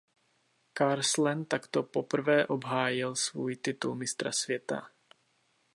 Carslen takto poprvé obhájil svůj titul mistra světa.